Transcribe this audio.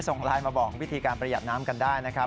ส่งไลน์มาบอกวิธีการประหยัดน้ำกันได้นะครับ